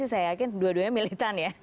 saya yakin dua duanya militan ya